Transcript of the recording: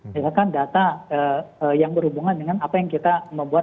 misalkan data yang berhubungan dengan apa yang kita membuat